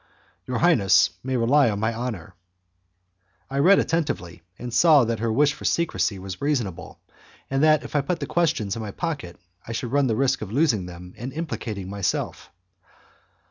"Your highness may rely on my honour." I read attentively, and I saw that her wish for secrecy was reasonable, and that if I put the questions in my pocket I should run the risk of losing them and implicating myself.